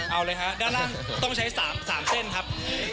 เอาเลยฮะด้านล่างต้องใช้๓เส้นครับ